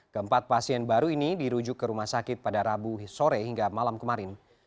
keempat pasien baru ini dirujuk ke rumah sakit pada rabu sore hingga malam kemarin